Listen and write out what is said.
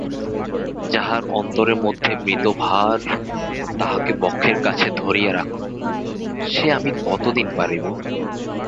যাহার অন্তরের মধ্যে মৃতভার তাহাকে বক্ষের কাছে ধরিয়া রাখা, সে আমি কতদিন পারিব।